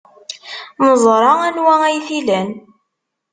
Neẓra anwa ay t-ilan.